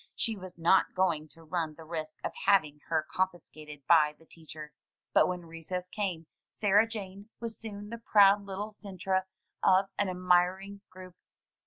She was not going to run the risk of having her confiscated by the teacher. But when recess came Sarah Jane was soon the proud little centre of an admiring group.